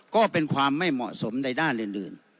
ก็เป็นความไม่เหมาะสมในด้านอื่น